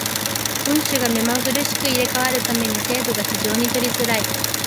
運手が目まぐるしく入れ替わる為に精度が非常に取りづらい。